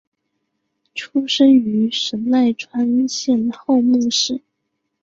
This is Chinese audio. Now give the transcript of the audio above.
出身于神奈川县厚木市。